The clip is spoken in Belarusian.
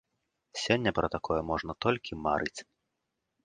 Сёння пра такое можна толькі марыць.